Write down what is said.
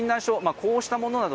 こうしたものなど